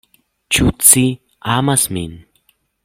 Ĉu ci amas min?